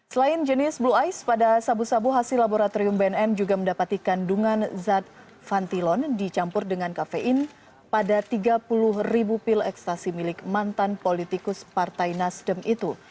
selain jenis blue ice pada sabu sabu hasil laboratorium bnn juga mendapati kandungan zat fantilon dicampur dengan kafein pada tiga puluh ribu pil ekstasi milik mantan politikus partai nasdem itu